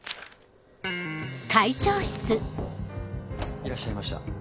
・いらっしゃいました